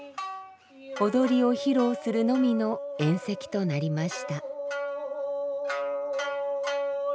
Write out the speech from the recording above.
踊りを披露するのみの宴席となりました。